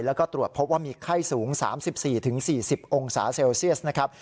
แล้วก็ตรวจพบว่ามีไข้สูง๓๔๔๐องศาเซลเซียสนะครับ